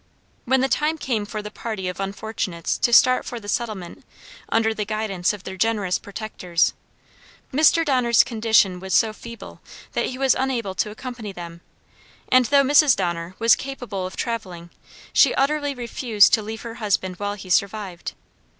When the time came for the party of unfortunates to start for the settlement under the guidance of their generous protectors, Mr. Donner's condition was so feeble that he was unable to accompany them, and though Mrs. Donner was capable of traveling, she utterly refused to leave her husband while he survived.